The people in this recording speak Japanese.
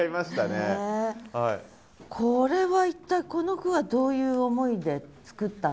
これは一体この句はどういう思いで作ったんですか？